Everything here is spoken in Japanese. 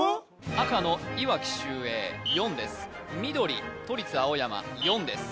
赤のいわき秀英４です緑都立青山４です